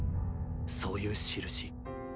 そういう「印」。